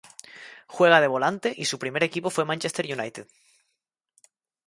Juega de volante y su primer equipo fue Manchester United.